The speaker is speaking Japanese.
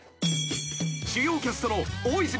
［主要キャストの大泉洋